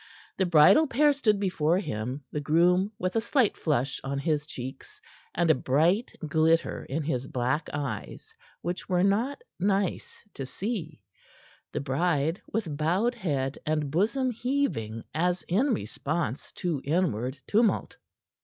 The bridal pair stood before him, the groom with a slight flush on his cheeks and a bright glitter in his black eyes, which were not nice to see; the bride with bowed head and bosom heaving as in response to inward tumult.